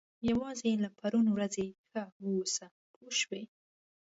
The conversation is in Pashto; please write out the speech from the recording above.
یوازې له پرون ورځې ښه واوسه پوه شوې!.